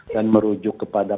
dan merujuk kepada